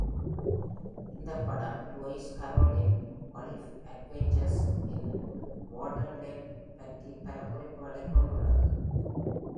இந்த படம் லூயிஸ் கரோலின் "ஆலிஸ் அட்வென்ச்சர்ஸ் இன் வொண்டர்லேண்ட்" பற்றி பல குறிப்புகளை கொண்டுள்ளது.